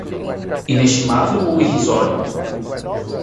inestimável ou irrisório